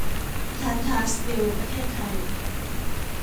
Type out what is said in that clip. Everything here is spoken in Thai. ทาทา สตีล ประเทศไทย